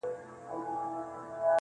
صدراعظم څنګه کولای شي